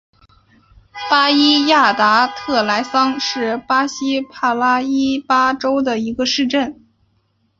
巴伊亚达特莱桑是巴西帕拉伊巴州的一个市镇。